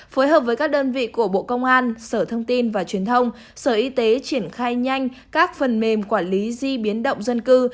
phối hợp với các đơn vị của bộ công an sở thông tin và truyền thông sở y tế triển khai nhanh các phần mềm quản lý di biến động dân cư